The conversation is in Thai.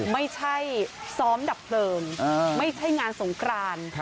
ไม่ใช่ซ้อมดับเพลิงไม่ใช่งานสงกราน